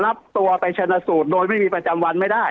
รับตัวไปชนะสูตรโดยไม่มีประจำวันไม่ได้